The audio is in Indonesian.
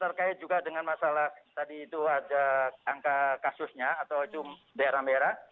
terkait juga dengan masalah tadi itu ada angka kasusnya atau daerah merah